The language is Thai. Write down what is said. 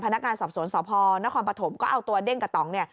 พนักงานสอบสวนสพนครปฐมก็เอาตัวเด้งกับตองเนี่ย